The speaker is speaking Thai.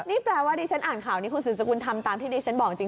นี่แปลว่าดิฉันอ่านข่าวนี้คุณสืบสกุลทำตามที่ดิฉันบอกจริง